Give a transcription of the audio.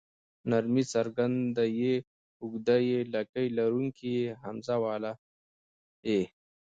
نرمه ی څرګنده ي اوږده ې لکۍ لرونکې ۍ همزه واله ئ